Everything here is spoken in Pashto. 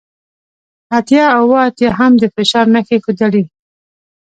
اتیا اوه اتیا هم د فشار نښې ښودلې